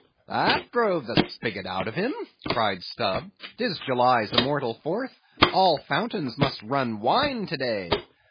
"That drove the spigot out of him!" cried Stubb. "'Tis July's immortal Fourth; all fountains must run wine today!